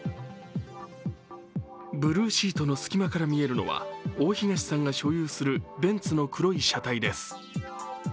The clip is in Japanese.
ブルーシートの隙間から見えるのは、大東さんが所有するベンツの黒い車体です。